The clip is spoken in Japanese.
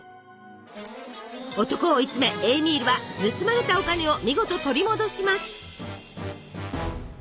男を追い詰めエーミールは盗まれたお金を見事取り戻します。